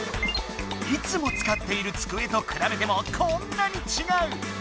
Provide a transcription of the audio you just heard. いつも使っている机とくらべてもこんなにちがう！